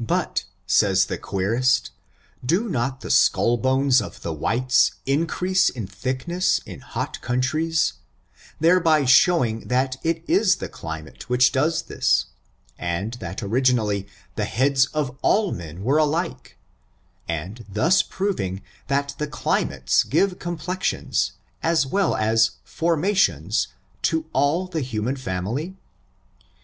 But, says the querest, do not the skull bones of the whites increase in thickness in hot countries, thereby showing that it is the climate which does this, and that originally, the heads of all men were alike ; and thus proving that the climates give complexions, as well as formations, to all the human family?